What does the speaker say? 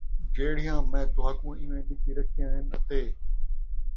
جِہڑیاں مَیں تُہاکوں اِیویں ݙِتی رکھئن اَتے